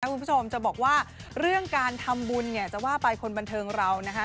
คุณผู้ชมจะบอกว่าเรื่องการทำบุญเนี่ยจะว่าไปคนบันเทิงเรานะคะ